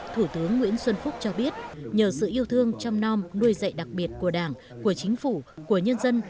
thủ tướng nguyễn xuân phúc cho biết nhờ sự yêu thương trong non nuôi dạy đặc biệt của đảng của chính phủ của nhân dân